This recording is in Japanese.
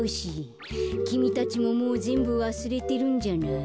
きみたちももうぜんぶわすれてるんじゃない？